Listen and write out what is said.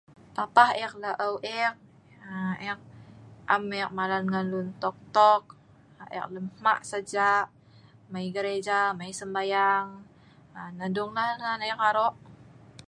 Papa ek laeu’ ek aaa ek am malan ngan lun tok tok ek dong hma saja mai gereja mai sembayang. nah dung an ek aro’.